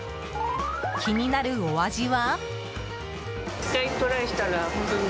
気になるお味は。